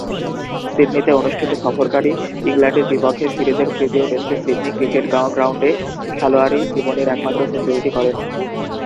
সিডনিতে অনুষ্ঠিত সফরকারী ইংল্যান্ডের বিপক্ষে সিরিজের তৃতীয় টেস্টে সিডনি ক্রিকেট গ্রাউন্ডে খেলোয়াড়ী জীবনের একমাত্র সেঞ্চুরিটি করেন।